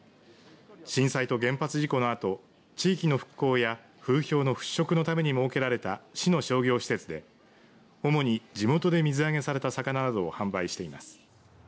震災と原発事故のあと地域の復興や風評の払拭のために設けられた市の商業施設で主に地元で水揚げされた魚などを販売しています。